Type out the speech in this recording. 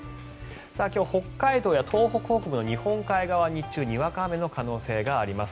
今日、北海道や東北北部の日本海側日中、にわか雨の可能性があります。